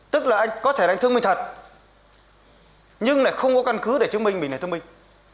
tức là có thể là anh thương minh thật nhưng lại không có căn cứ để chứng minh mình là thương minh